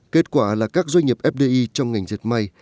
kết quả là các doanh nghiệp fdi trong ngành diệt may